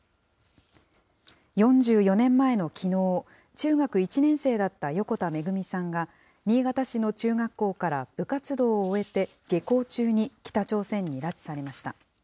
４４年前のきのう、中学１年生だった横田めぐみさんが、新潟市の中学校から部活動を終えて、下校中に北朝鮮に拉致されました。